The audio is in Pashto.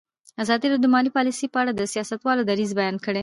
ازادي راډیو د مالي پالیسي په اړه د سیاستوالو دریځ بیان کړی.